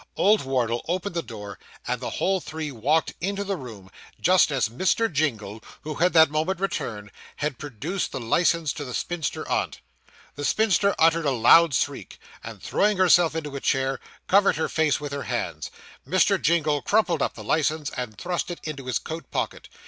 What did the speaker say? Old Wardle opened the door; and the whole three walked into the room just as Mr. Jingle, who had that moment returned, had produced the licence to the spinster aunt. The spinster uttered a loud shriek, and throwing herself into a chair, covered her face with her hands. Mr. Jingle crumpled up the licence, and thrust it into his coat pocket.